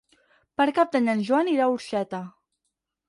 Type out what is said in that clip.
Per Cap d'Any en Joan irà a Orxeta.